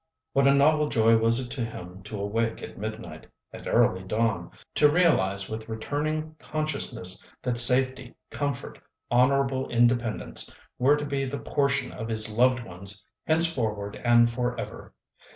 What a novel joy was it to him to awake at midnight—at early dawn—to realise with returning consciousness that safety, comfort, honourable independence were to be the portion of his loved ones henceforward and for ever!